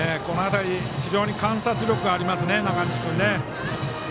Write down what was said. この辺り非常に観察力がありますね、中西君。